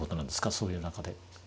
そういう中で。